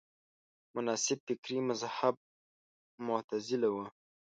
مناسب فکري مذهب معتزله وه